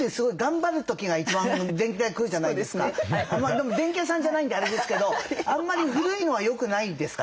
でも電気屋さんじゃないんであれですけどあんまり古いのはよくないですか？